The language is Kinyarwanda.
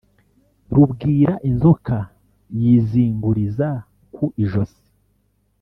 rubwira inzoka yizinguriza ku ijosi